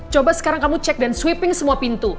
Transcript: coba sekarang kamu cek dan sweeping semua pintu